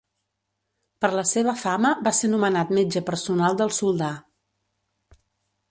Per la seva fama va ser nomenat metge personal del soldà.